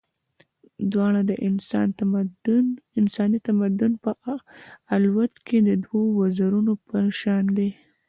دواړه د انساني تمدن په الوت کې د دوو وزرونو په شان دي.